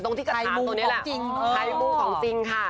ทายมูลของจริงค่ะ